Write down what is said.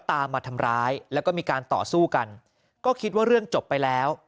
ตามมาทำร้ายแล้วก็มีการต่อสู้กันก็คิดว่าเรื่องจบไปแล้ว